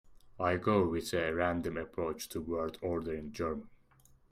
I go with a random approach to word order in German.